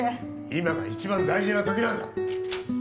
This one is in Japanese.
今が一番大事な時なんだ